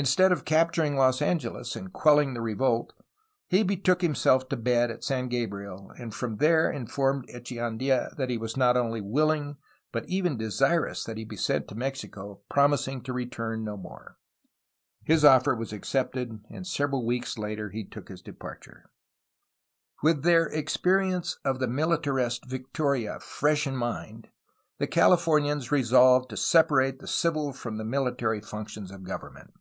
Instead of capturing Los Angeles and quelling the revolt, he betook himself to bed at San Gabriel, and from there informed Echeandla that he was not only wiUing but even desirous that he be sent to Mexico, promising to return no more. His offer was accepted, and several weeks later he took his departure. 462 A HISTORY OF CALIFORNIA With their experience of the militarist Victoria fresh in mind, the Californians resolved to separate the civil from the military functions of government.